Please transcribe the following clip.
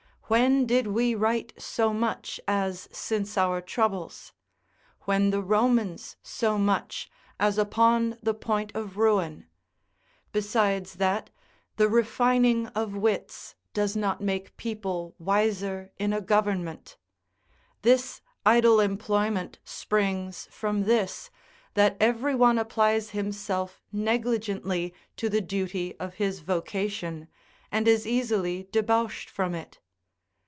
When did we write so much as since our troubles? when the Romans so much, as upon the point of ruin? Besides that, the refining of wits does not make people wiser in a government: this idle employment springs from this, that every one applies himself negligently to the duty of his vocation, and is easily debauched from it.